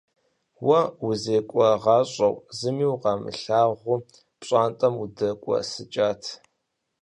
Уэ узекӀуагъащӀэу, зыми укъамылагъуу, пщӀантӀэм удэкӏуэсыкӏат.